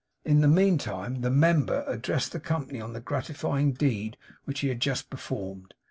In the meantime, the member addressed the company on the gratifying deed which he had just performed.